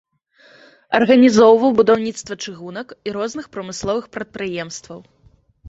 Арганізоўваў будаўніцтва чыгунак і розных прамысловых прадпрыемстваў.